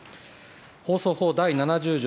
放送法第７０条